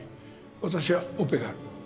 私はオペがある